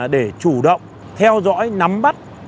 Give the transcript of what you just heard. để chủ động theo dõi nắm bắt